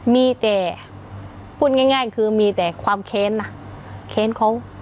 มีแต่พูดง่ายคือมีแต่ความแค้นนะแค้นเขา